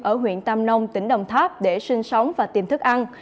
ở huyện tam nông tỉnh đồng tháp để sinh sống và tìm thức ăn